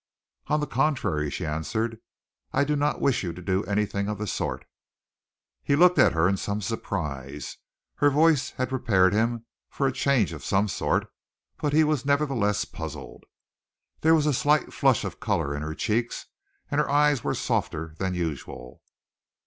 "On the contrary," she answered, "I do not wish you to do anything of the sort." He looked at her in some surprise. Her voice had prepared him for a change of some sort, but he was nevertheless puzzled. There was a slight flush of color in her cheeks, and her eyes were softer than usual.